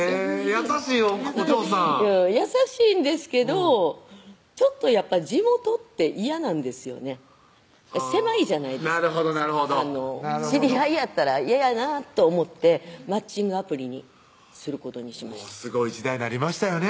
優しいお嬢さん優しいんですけどちょっとやっぱり地元って嫌なんですよね狭いじゃないですかなるほどなるほど知り合いやったら嫌やなぁと思ってマッチングアプリにすることにしましたすごい時代になりましたよね